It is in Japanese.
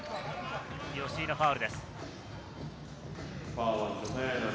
吉井のファウルです。